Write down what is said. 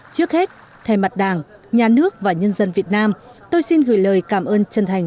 trước hết thay mặt đảng nhà nước và nhân dân việt nam tôi xin gửi lời cảm ơn chân thành